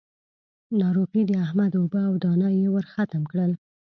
ناروغي د احمد اوبه او دانه يې ورختم کړل.